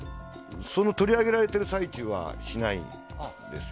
その取り上げられている最中はしないです。